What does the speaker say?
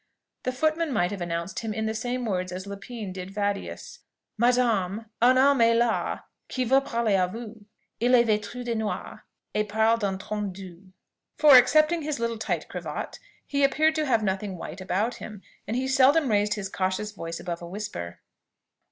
The footman might have announced him in the same words as Lépine did Vadius: "Madame, un homme est là, qui veut parler à vous. Il est vètu de noir, et parle d'un ton doux." For, excepting his little tight cravat, he appeared to have nothing white about him, and he seldom raised his cautious voice above a whisper.